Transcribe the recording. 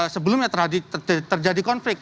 sebelumnya terjadi konflik